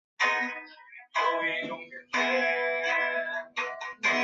芝加哥熊是一支职业美式足球球队。